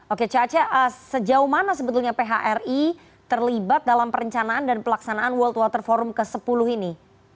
oke coace sejauh mana sebetulnya phri terlibat dalam perencanaan dan pelaksanaan world water forum ke sepuluh ini